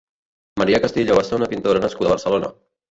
Maria Castillo va ser una pintora nascuda a Barcelona.